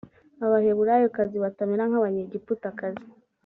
abaheburayokazi batamera nk abanyegiputakazi